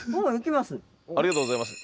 ありがとうございます。